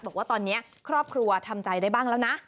บอกว่าตอนนี้ครอบครัวทำใจได้บ้างแล้วนะ